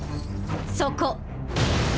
そこ。